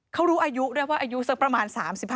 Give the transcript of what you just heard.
เขารู้อายุด้วยว่าอายุสักประมาณ๓๕